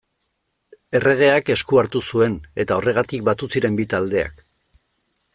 Erregeak esku hartu zuen, eta horregatik batu ziren bi taldeak.